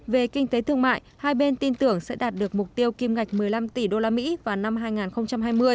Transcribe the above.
về kinh tế thương mại hai bên tin tưởng sẽ đạt được mục tiêu kim ngạch một mươi năm tỷ usd vào năm hai nghìn hai mươi